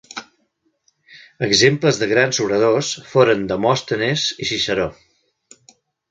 Exemples de grans oradors foren Demòstenes i Ciceró.